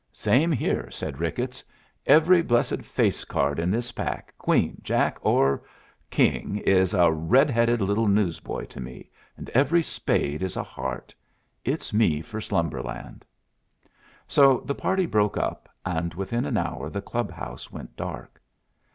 "Same here," said Ricketts. "Every blessed face card in this pack queen, king, or jack is a red headed little newsboy to me, and every spade is a heart. It's me for Slumberland." So the party broke up, and within an hour the clubhouse went dark.